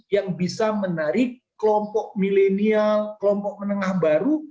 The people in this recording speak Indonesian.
yang bisa menarik kelompok milenial kelompok menengah baru